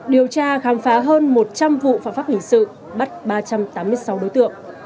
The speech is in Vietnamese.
điều tra khám phá hơn một trăm linh vụ phạm pháp hình sự bắt ba trăm tám mươi sáu đối tượng